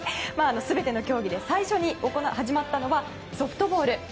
全ての競技で最初に始まったのがソフトボール。